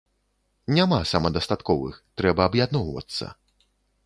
Няма самадастатковых, трэба аб'ядноўвацца.